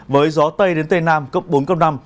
với gió tây đến tây nam cấp bốn cấp năm